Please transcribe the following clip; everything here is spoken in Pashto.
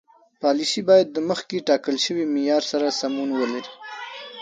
پالیسي باید د مخکې ټاکل شوي معیار سره سمون ولري.